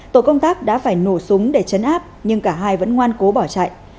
tổ công tác đã phải nổ súng để chấn áp nhưng cả hai vẫn ngoan cố bỏ chạy